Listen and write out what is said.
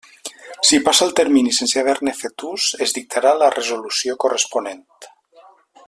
Si passa el termini sense haver-ne fet ús, es dictarà la resolució corresponent.